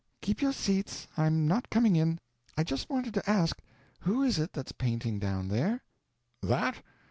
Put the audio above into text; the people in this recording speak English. "Keep your seats, I'm not coming in. I just wanted to ask, who is it that's painting down there?" "That?